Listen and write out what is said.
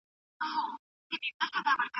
ذهن مو د بریا لپاره چمتو کړئ.